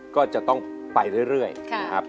ก็จะต้องไปเรื่อยนะครับ